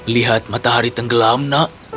lihat matahari tenggelam nak